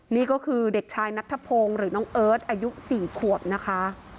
นี่ก็คือเด็กชายนัทธพงศ์หรือน้องเอิร์ทอายุ๔ขวบนะคะ